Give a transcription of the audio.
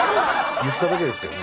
言っただけですけどね